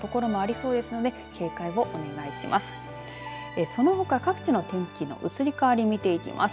そのほか、各地の天気の移り変わり、見ていきます。